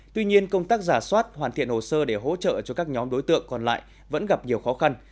tuy nhiên công tác giả soát hoàn thiện hồ sơ để hỗ trợ cho các nhóm đối tượng còn lại vẫn gặp nhiều khó khăn